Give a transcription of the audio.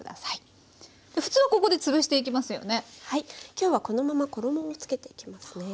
きょうはこのまま衣を付けていきますね。